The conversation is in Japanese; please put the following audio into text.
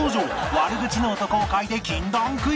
悪口ノート公開で禁断クイズ